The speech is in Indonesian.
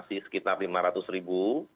sudah melakukan importasi sekitar rp lima ratus